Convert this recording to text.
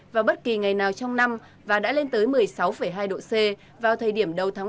vào bất kỳ ngày nào trong năm và đã lên tới một mươi sáu hai độ c vào thời điểm đầu tháng một